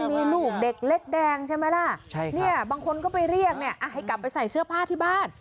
มีลูกเด็กเล็กแดงใช่ไหมล่ะเนี่ยบางคนก็ไปเรียกเนี่ยให้กลับไปใส่เสื้อผ้าที่บ้าน